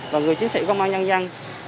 và người chiến sĩ công an nhân dân